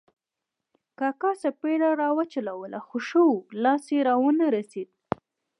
کاکا څپېړه را واچوله خو ښه وو، لاس یې را و نه رسېد.